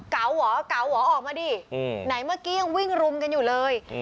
เคลาอ๋ออ๋อออกมาดิอืมไหนเมื่อกี้ยังวิ่งรุมกันอยู่เลย